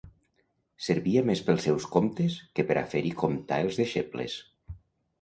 Servia més pels seus comptes que pera fer-hi comptar els deixebles.